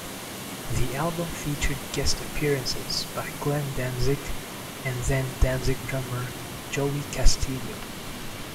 The album featured guest appearances by Glenn Danzig and then-Danzig drummer Joey Castillo.